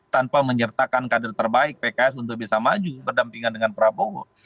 tanpa menyertakan kader terbaik pks untuk bisa maju berdampingan dengan prabowo